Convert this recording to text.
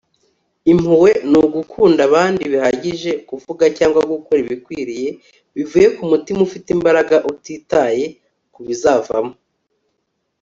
impuhwe ni ugukunda abandi bihagije kuvuga cyangwa gukora ibikwiriye bivuye kumutima ufite imbaraga utitaye kubizavamo